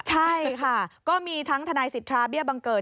ใช่ค่ะก็มีทั้งทนายสิทธาเบี้ยบังเกิด